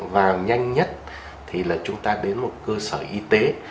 và nhanh nhất thì là chúng ta đến một cơ sở y tế